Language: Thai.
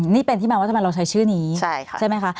นี่เป็นที่มาว่าทำไมเราใช้ชื่อนี้ใช่ไหมคะ